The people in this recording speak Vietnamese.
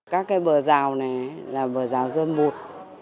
các cái bờ rào này là bờ rào rơm bụt